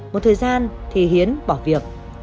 một thời gian thì hiến bỏ việc